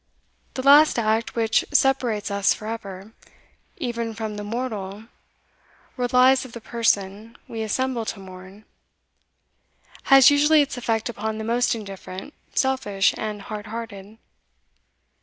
The last act which separates us for ever, even from the mortal relies of the person we assemble to mourn, has usually its effect upon the most indifferent, selfish, and hard hearted.